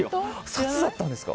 札だったんですか。